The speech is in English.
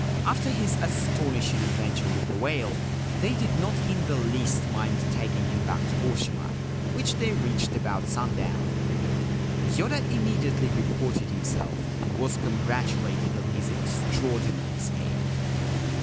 After his astonishing adventure with the whale, they did not in the least mind taking him back to Oshima, which they reached about sundown. Yoda immediately reported himself, and was con gratulated on his extraordinary escape.